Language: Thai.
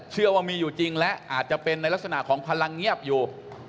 เชื่อว่ามีอยู่จริงและอาจจะเป็นในลักษณะของพลังเงียบอยู่